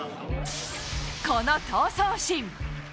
この闘争心。